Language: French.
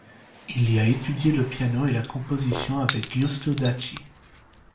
Il y a étudié le piano et la composition avec Giusto Dacci.